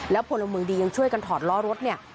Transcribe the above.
แล้วผลมือมือดียังช่วยกันถอดล่อรถ